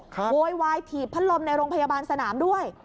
โวยวายถีบพัดลมในโรงพยาบาลสนามด้วย